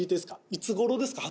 いつごろですか？